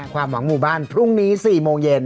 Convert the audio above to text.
ความหวังหมู่บ้านพรุ่งนี้๔โมงเย็น